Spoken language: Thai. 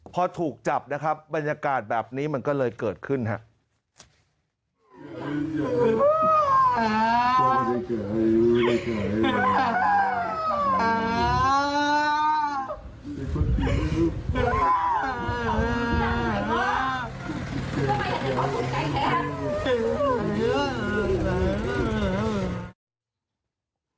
พอถูกจับนะครับบรรยากาศแบบนี้มันก็เลยเกิดขึ้นครับ